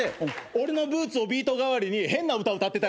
俺のブーツをビート代わりに変な歌歌ってたよね。